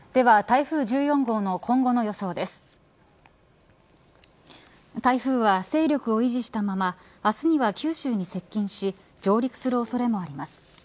台風は、勢力を維持したまま明日には九州に接近し上陸する恐れもあります。